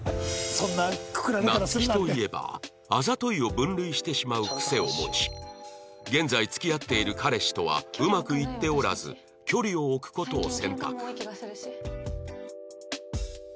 夏希といえば「あざとい」を分類してしまう癖を持ち現在付き合っている彼氏とはうまくいっておらず距離を置く事を選択